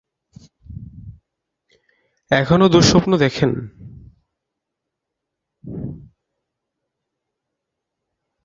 এখনো দুঃস্বপ্ন দেখেন?